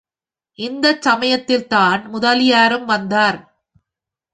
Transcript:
இந்தச் சமயத்தில்தான் முதலியாரும் வந்தார்.